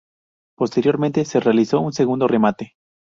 Posteriormente se realizó un segundo remate.